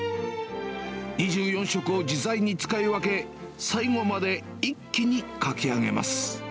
２４色を自在に使い分け、最後まで一気に描き上げます。